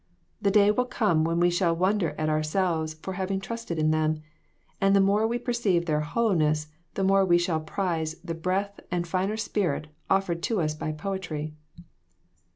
The day will come when we shall wonder at ourselves for having trusted in them, and the more we perceive their hollowness, the more we shall prize the breath and finer spirit offered to us by poetry."